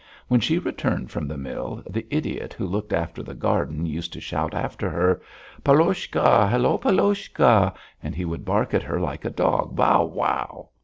When she returned from the mill the idiot who looked after the garden used to shout after her: "Paloshka! Hullo, Paloshka!" And he would bark at her like a dog: "Bow, wow!"